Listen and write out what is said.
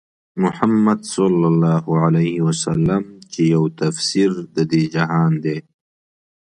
محمدص چې يو تفسير د دې جهان دی